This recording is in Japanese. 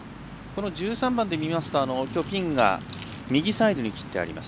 １３番で見ますとピンが右サイドに切ってあります。